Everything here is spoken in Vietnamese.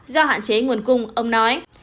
do hạn chế nguồn cung ông nói